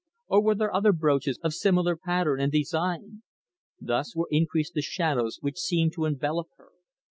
Or were there other brooches of similar pattern and design? Thus were increased the shadows which seemed to envelop her.